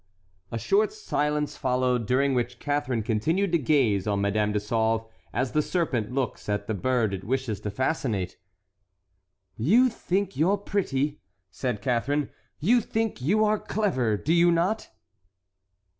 A short silence followed, during which Catharine continued to gaze on Madame de Sauve as the serpent looks at the bird it wishes to fascinate. "You think you are pretty," said Catharine, "you think you are clever, do you not?"